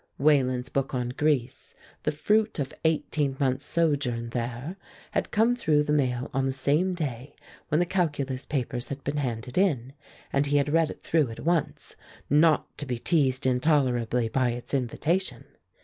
Wayland's book on Greece, the fruit of eighteen months' sojourn there, had come through the mail on the same day when the calculus papers had been handed in, and he had read it through at once, not to be teased intolerably by its invitation.